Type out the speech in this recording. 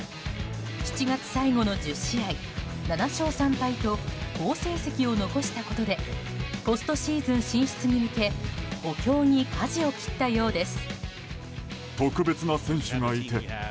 ７月最後の１０試合７勝３敗と好成績を残したことでポストシーズン進出に向け補強にかじを切ったようです。